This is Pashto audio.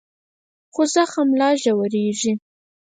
خو زخم لا ژورېږي.